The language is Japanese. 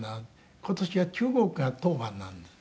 今年は中国が当番なんです。